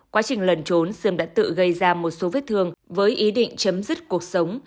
quá trình lần trốn sương đã tự gây ra một số vết thương với ý định chấm dứt cuộc sống